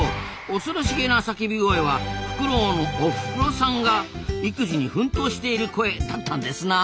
恐ろしげな叫び声はフクロウのおふくろさんが育児に奮闘している声だったんですな。